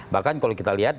bahkan kalau kita lihat